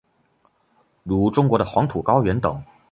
如中国的黄土高原等。